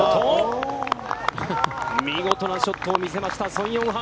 見事なショットを見せました宋永漢。